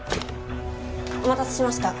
お待たせしました。